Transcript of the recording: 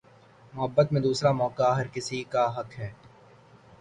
محبت میں دوسرا موقع ہر کسی کا حق ہے